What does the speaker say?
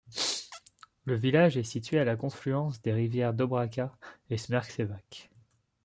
Le village est situé à la confluence des rivières Dobrača et Smrčevac.